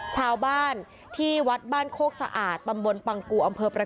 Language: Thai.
ชาวบ้านที่วัดบ้านโคกสะอาดตำบลปังกูอำเภอประค